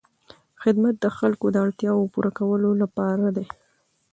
خدمت د خلکو د اړتیاوو پوره کولو لپاره دی.